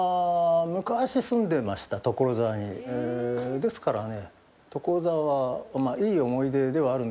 ですからね。